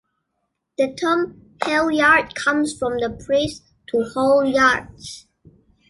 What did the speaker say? The term "halyard" comes from the phrase, 'to haul yards'.